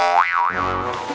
perubahan bentuk ustad